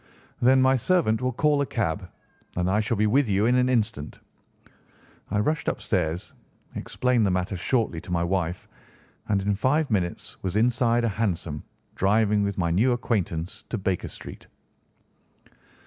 "Then my servant will call a cab, and I shall be with you in an instant." I rushed upstairs, explained the matter shortly to my wife, and in five minutes was inside a hansom, driving with my new acquaintance to Baker Street.